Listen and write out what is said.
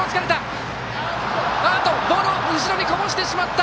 ボールを後ろにこぼしてしまった！